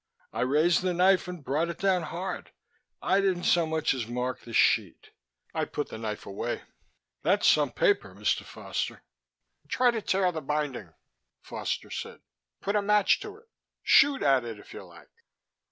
I raised the knife and brought it down hard. I didn't so much as mark the sheet. I put the knife away. "That's some paper, Mr. Foster," I said. "Try to tear the binding," Foster said. "Put a match to it. Shoot at it if you like.